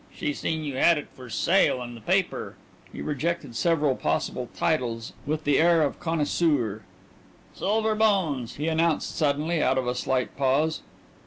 She seen you had it for sale in the paper." He rejected several possible titles with the air of connoisseur. "'Silver Bones,'" he announced suddenly out of a slight pause.